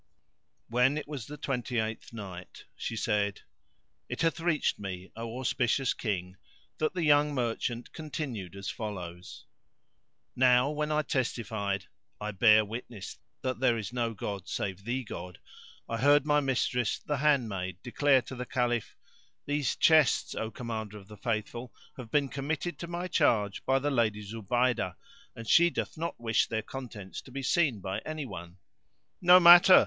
When it was the Twenty eighth Night, She said, It hath reached me, O auspicious King, that the young merchant continued as follows: Now when I testified, "I bear witness that there is no god save the God," I heard my mistress the handmaid declare to the Caliph, "These chests, O Commander of the Faithful, have been committed to my charge by the Lady Zubaydah, and she doth not wish their contents to be seen by any one." "No matter!"